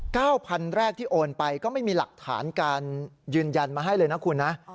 พันแรกที่โอนไปก็ไม่มีหลักฐานการยืนยันมาให้เลยนะคุณนะ